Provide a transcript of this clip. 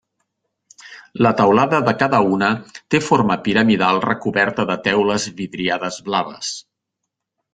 La teulada de cada una té forma piramidal recoberta de teules vidriades blaves.